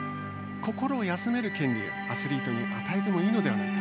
心を休める権利をアスリートに与えてもいいのではないか。